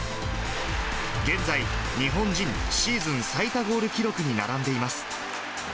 現在、日本人シーズン最多ゴール記録に並んでいます。